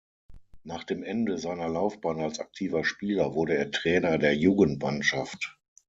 Nach dem Ende seiner Laufbahn als aktiver Spieler wurde er Trainer der Jugendmannschaft.